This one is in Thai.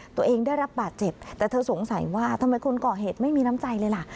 ตัวเองได้รับบาดเจ็บแต่เธอสงสัยว่าทำไมคนก่อเหตุไม่มีน้ำใจเลยล่ะ